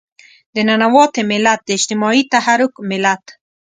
د ننواتې ملت، د اجتماعي تحرک ملت.